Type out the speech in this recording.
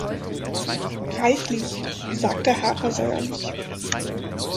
„Reichlich“, sagte Harper säuerlich.